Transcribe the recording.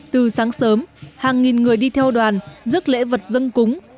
từ sáng sớm hàng nghìn người đi theo đoàn rước lễ vật dân cúng